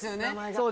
そう！